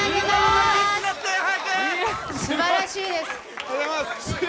すばらしいです！